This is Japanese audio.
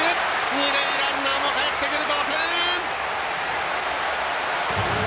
二塁ランナーもかえってくる。